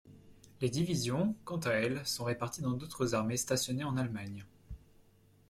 Les divisions quant à elles sont réparties dans d'autres armées stationnées en Allemagne.